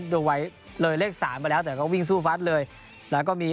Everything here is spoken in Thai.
ดูไว้เลยเลขสามไปแล้วแต่ก็วิ่งสู้ฟัดเลยแล้วก็มี